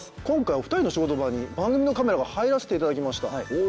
今回お二人の仕事場に番組のカメラが入らせていただきました。